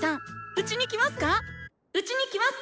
⁉うちに来ますか